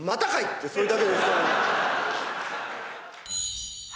ってそれだけですからね。